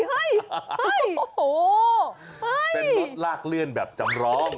เฮ้ยโอ้โหเป็นรถลากเลื่อนแบบจำรอง